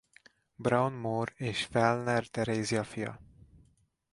Braun Mór és Fellner Terézia fia.